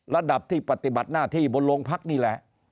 ระดับที่ปฏิบัติหน้าที่บนโรงพักนี่แหละ